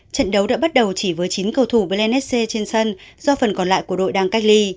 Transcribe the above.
trận đấu đã bắt đầu chỉ với chín cầu thủ blanese trên sân do phần còn lại của đội đang cách ly